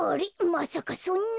まさかそんな。